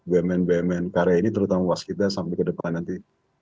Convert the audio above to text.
bnm bnm karya ini terutama woskita sampai ke depan nanti